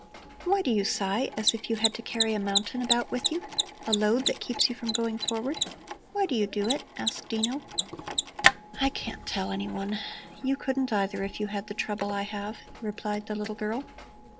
"Why do you sigh, as if you had to carry a mountain about with you a load that keeps you from going forward? Why do you do it?" asked Dino. "I can't tell anyone. You couldn't, either, if you had the trouble I have," replied the little girl.